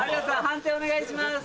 判定お願いします。